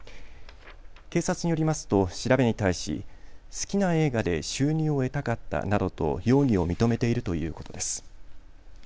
警察によりますと調べに対し好きな映画で収入を得たかったなどと容疑を認めているということです。